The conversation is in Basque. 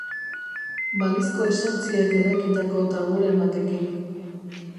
Balizko esentziek eraikitako taburen batekin.